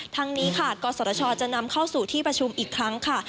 ทั้งนี้ค่ะกศชจะนำเข้าสู่ที่ประชุมอีกครั้งค่ะ